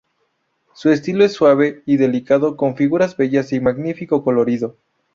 Su estilo es suave y delicado, con figuras bellas y magnífico colorido.